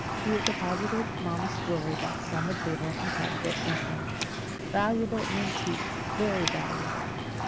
He deposited Mom's jewel box on a table and patted it gently. "Valuable antique—very valuable.